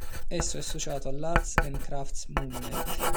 Esso è associato all'Arts and Crafts Movement.